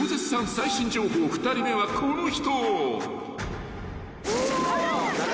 最新情報２人目はこの人］